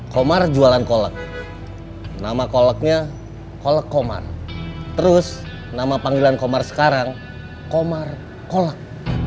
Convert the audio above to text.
komar jualan kolak nama kolaknya kolak komar terus nama panggilan komar sekarang komar kolak